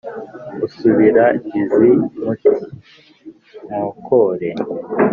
Usubira iz'i Muti-nkokore,